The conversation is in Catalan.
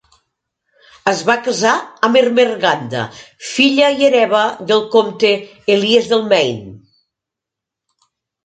Es va casar amb Ermengarda, filla i hereva del comte Elies del Maine.